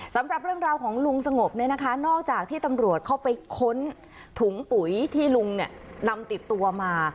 สำหรับเรื่องราวของลุงสงบเนี่ยนะคะนอกจากที่ตำรวจเข้าไปค้นถุงปุ๋ยที่ลุงเนี่ยนำติดตัวมา